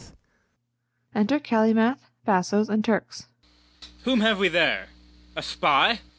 Whom have we there? a spy?